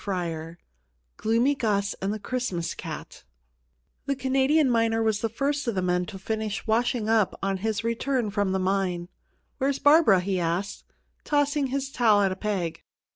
XXIII GLOOMY GUS AND THE CHRISTMAS CAT THE Canadian miner was the first of the men to finish "washing up," on his return from the mine. "Where's Barbara?" he asked, tossing his towel at a peg.